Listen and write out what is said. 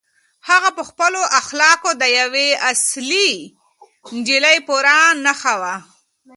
هغه په خپلو اخلاقو کې د یوې اصیلې نجلۍ پوره نښه وه.